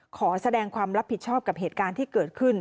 ขอแสดงความรับผิดชอบกับเหตุการณ์ที่เกิดขึ้น